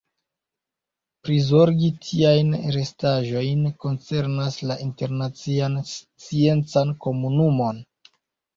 Prizorgi tiajn restaĵojn koncernas la internacian sciencan komunumon.